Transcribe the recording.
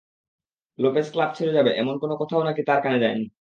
Lopez club ছেড়ে যাবে, এমন কোনো কথাও নাকি তাঁর কানে যায়নি।